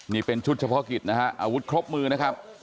นี่เป็นชุดเฉพาะกิจนะฮะอาวุธครบมือนะครับ